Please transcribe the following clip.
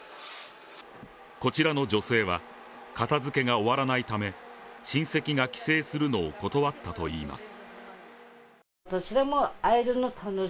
こちらの女性は片づけが終わらないため親戚が帰省するのを断ったといいます。